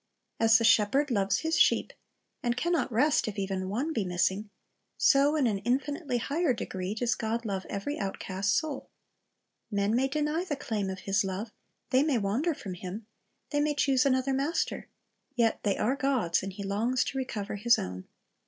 As the shepherd loves his sheep, and can not rest if even one be missing, so, in an infinitely higher degree, does God love every outcast soul. Men may deny the claim of His love, they may wander from Him, they may choose another master; yet they are God's, and He longs to recover His own.